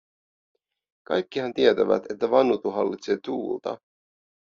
Kaikkihan tietävät, että Vanutu hallitsee tuulta!"